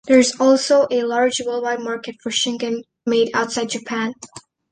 There is also a large worldwide market for "shinken" made outside Japan.